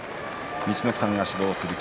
陸奥さんが指導する霧